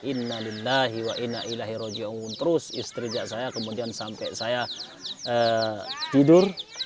innalillahi wa inna ilahi roji'ung terus istiridjak saya kemudian sampai saya tidur